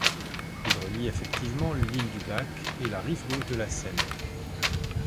Il relie effectivement l'île du Bac et la rive gauche de la Seine.